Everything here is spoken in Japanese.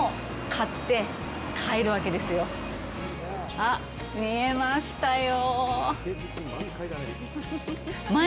あっ、見えましたよ。